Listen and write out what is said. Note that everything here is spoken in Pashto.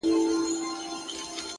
درته خبره كوم”